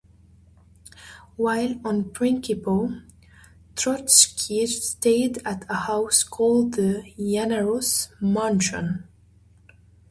While on Prinkipo, Trotsky stayed at a house called the "Yanaros mansion".